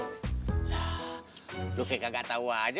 lah lo kayak gak tau aja